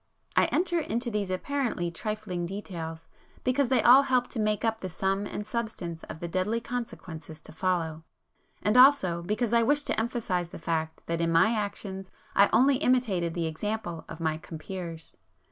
I enter into these apparently trifling details because they all help to make up the sum and substance of the deadly consequences to follow,—and also because I wish to emphasize the fact that in my actions I only imitated the example of my compeers.